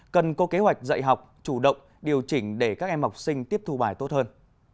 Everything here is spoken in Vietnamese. cần có kế hoạch dạy học chủ động điều chỉnh để các em học sinh tiếp thu bài tốt hơn